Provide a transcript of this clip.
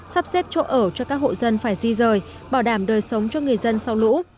sắp xếp chỗ ở cho các hộ dân phải di rời bảo đảm đời sống cho người dân sau lũ